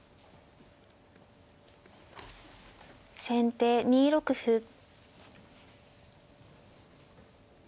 先手２六歩。